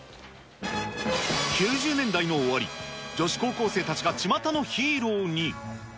９０年代の終わり、女子高校生たちがちまたのヒーローに。